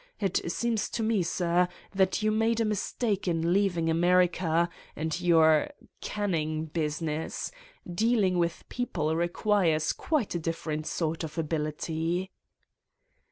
It seems to me, sir, that you made a mistake in leav ing America and your ... canning business: dealing with people requires quite a different sort of ability."